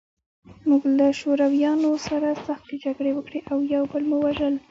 موږ له شورویانو سره سختې جګړې وکړې او یو بل مو وژل